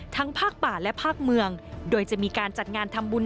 ทั้งภาคป่าและภาคเมือง